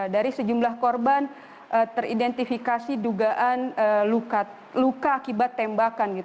dari sejumlah korban teridentifikasi dugaan luka akibat tembakan